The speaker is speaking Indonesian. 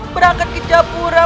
berangkat ke japura